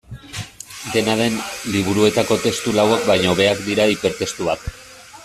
Dena den, liburuetako testu lauak baino hobeak direla hipertestuak.